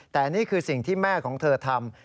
แต่นี่คือสิ่งที่แม่ของเธอทำ